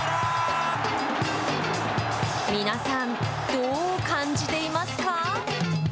皆さん、どう感じていますか。